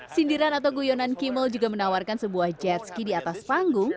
sindiran atau guyonan kimil juga menawarkan sebuah jet ski di atas panggung